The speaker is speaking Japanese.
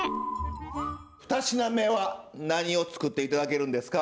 ふた品目は何を作って頂けるんですか？